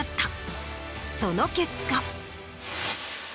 その結果。